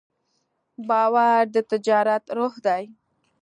باور د تجارت روح دی.